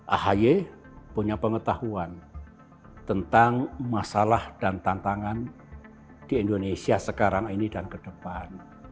ahy punya pengetahuan tentang masalah dan tantangan di indonesia sekarang ini dan ke depan